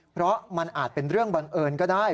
เพราะมันอาจเป็นเรื่องบังเอิญก็ได้